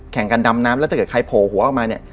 แล้วถ้าเกิดใครโผล่หัวออกมาเนี่ย